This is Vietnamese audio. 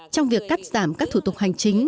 trong việc cắt giảm các thủ tục hành chính